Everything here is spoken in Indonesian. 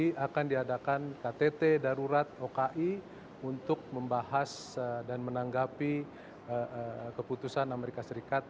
jadi akan diadakan ktt darurat oki untuk membahas dan menanggapi keputusan amerika serikat